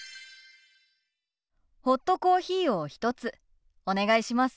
ホットコーヒーを１つお願いします。